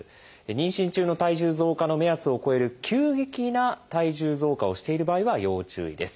妊娠中の体重増加の目安を超える急激な体重増加をしている場合は要注意です。